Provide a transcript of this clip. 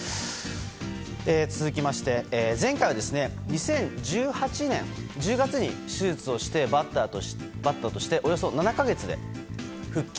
続きまして前回は２０１８年１０月に手術をして、バッターとしておよそ７か月で復帰。